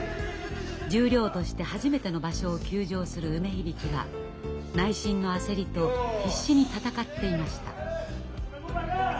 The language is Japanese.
十両として初めての場所を休場する梅響は内心の焦りと必死に闘っていました。